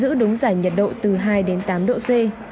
giữ đúng giải nhiệt độ từ hai đến tám độ c